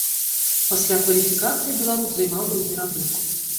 Пасля кваліфікацыі беларус займаў другі радок.